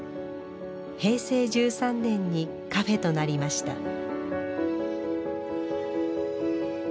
平成１３年にカフェとなりました